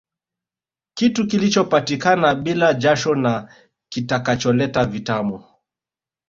Kitu kilichopatikana bila jasho na kitakacholeta vitamu